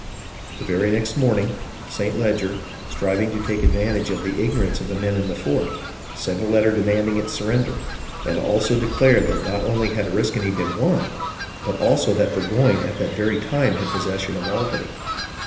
The very next morning St. Leger, striving to take advantage of the igno rance of the men in the fort, sent a letter demanding its surrender, and also declared that not only had Oriskany been won, but also that Burgoyne at that very time had possession of Albany.